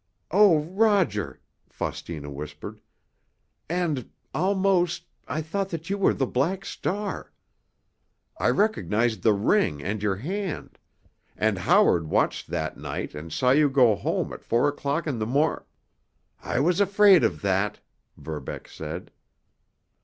"Oh, Roger!" Faustina whispered. "And—almost—I thought that you were the Black Star. I recognized the ring and your hand—and Howard watched that night and saw you go home at four o'clock in the mor——" "I was afraid of that," Verbeck said.